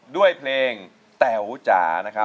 ด้วยเพลงแต๋วจ๋านะครับ